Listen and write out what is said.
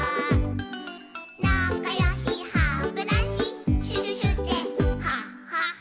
「なかよしハブラシシュシュシュでハハハ」